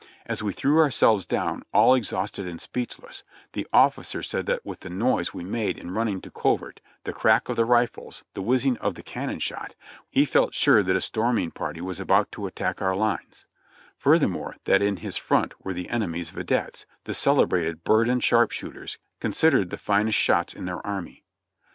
As we threw ourselves down, all ex hausted and speechless, the officer said that with the noise we made in running to covert, the crack of the rifles, the whizzing of the cannon shot, he felt sure that a storming party was aboUt to attack our lines ; furthermore, that in his front were the enemy's videttes, the celebrated "Berdan Sharpshooters," considered the finest shots in their army.